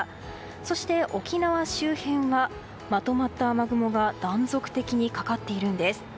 そして、沖縄周辺はまとまった雨雲が断続的にかかっているんです。